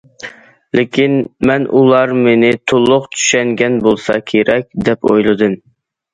لېكىن مەن ئۇلار مېنى تولۇق چۈشەنگەن بولسا كېرەك دەپ ئويلىدىم.